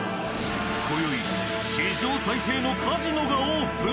今宵史上最低のカジノがオープン！